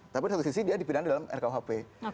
tapi di satu sisi dia dipidana dalam rkuhp